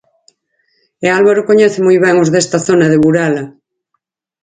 E Álvaro coñece moi ben os desta zona de Burela.